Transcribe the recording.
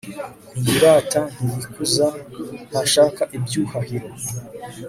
ntiyirata, ntiyikuza, ntashaka ibyuhahiro